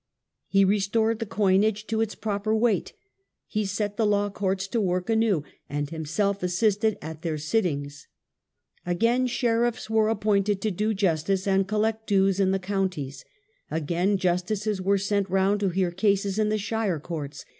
He restored the coinage to its proper weight. He set the law courts to work anew, and himself assisted at their sittings. Again sheriffs were appointed to do justice and collect dues in the counties; again justices were sent round to hear cases in the shire courts.